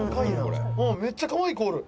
「めっちゃかわいい子おる」